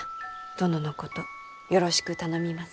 殿のことよろしく頼みます。